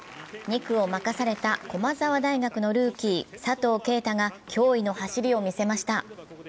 ２区を任された駒沢大学のルーキー佐藤圭汰が驚異の走りを見せました。